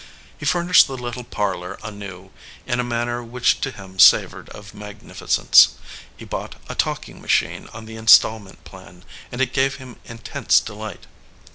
He fur nished the little parlor anew in a manner which to him savored of magnificence. He bought a talk ing machine on the instalment plan, and it gave him intense delight.